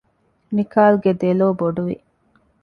ނިކާލްގެ ދެލޯ ބޮޑުވި